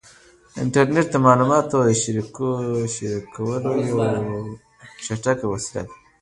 انټرنیټ د معلوماتو د شریکولو یوه چټکه وسیله ده.